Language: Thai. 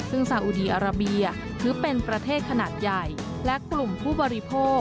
ซึ่งซาอูดีอาราเบียคือเป็นประเทศขนาดใหญ่